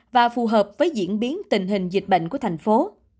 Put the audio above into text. và phù hợp với diễn biến tình hình dịch bệnh của thành phố